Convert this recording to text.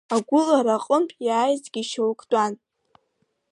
Агәылара аҟынтәи иааизгьы шьоук тәан.